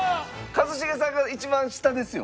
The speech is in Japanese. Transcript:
一茂さんが一番下ですよ。